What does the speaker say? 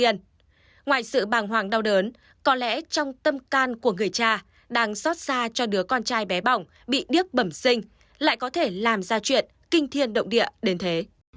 ngoài sự bàng hoàng đau đớn có lẽ trong tâm can của người cha đang xót xa cho đứa con trai bé bỏng bị điếc bẩm sinh lại có thể làm ra chuyện kinh thiên động địa đến thế